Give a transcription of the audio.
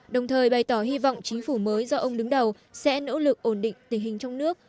đồng thời bày tỏ hy vọng chính phủ mới do ông đứng đầu sẽ nỗ lực ổn định tình hình trong nước